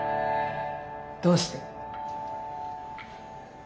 どうして？